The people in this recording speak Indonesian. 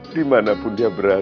dimanapun dia berada